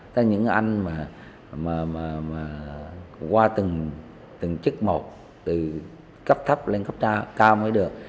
thế những anh mà qua từng chức một từ cấp thấp lên cấp cao mới được